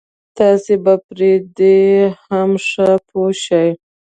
تاسې به پر دې هم ښه پوه شئ.